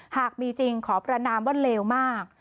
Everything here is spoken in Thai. หากมีจริงขอประนามว่าเลวมาก